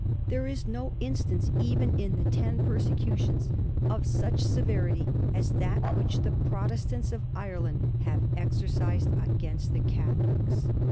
There is no instance, even in the ten persecutions, of such severity as that which the Protestants of Ireland have exercised against the Catholics."